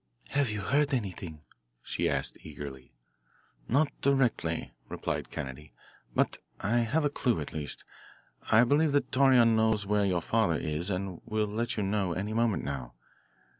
"Have you heard anything?" she asked eagerly. "Not directly," replied Kennedy. "But I have a clue, at least. I believe that Torreon knows where your father is and will let you know any moment now.